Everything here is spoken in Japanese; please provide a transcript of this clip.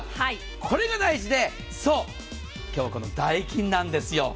これが大事でそう、今日はこのダイキンなんですよ。